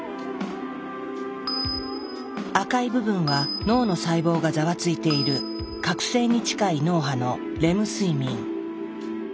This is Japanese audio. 赤い部分は脳の細胞がざわついている覚醒に近い脳波のレム睡眠。